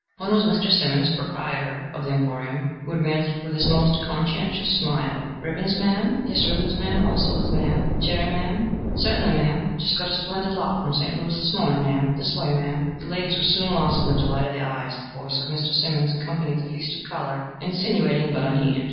One was Mr. Simmons, proprietor of the emporium, who advanced with his most conscientious smile: "Ribbons, ma'am? Yes, ma'am all sorts, ma'am. Cherry, ma'am? Certingly, ma'am. Jest got a splendid lot from St. Louis this morning, ma'am. This way, ma'am." The ladies were soon lost in the delight of the eyes. The voice of Mr. Simmons accompanied the feast of color, insinuating but unheeded.